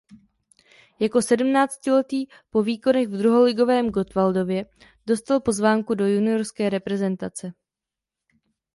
Jako sedmnáctiletý po výkonech v druholigovém Gottwaldově dostal pozvánku do juniorské reprezentace.